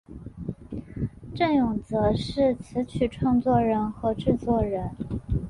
振永则是词曲创作人和制作人。